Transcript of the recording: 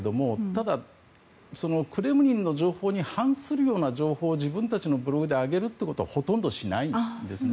ただ、クレムリンの情報に反するような情報を自分たちのブログで上げることはほとんどしないんですね。